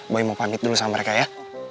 boleh mau pamit dulu sama mereka ya